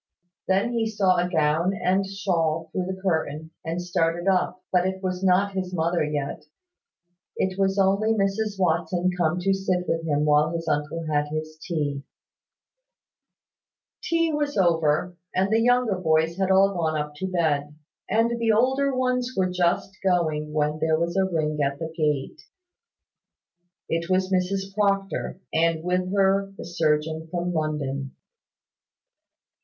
Then he saw a gown and shawl through the curtain, and started up; but it was not his mother yet. It was only Mrs Watson come to sit with him while his uncle had his tea. Tea was over, and the younger boys had all gone up to bed, and the older ones were just going when there was a ring at the gate. It was Mrs Proctor; and with her the surgeon from London.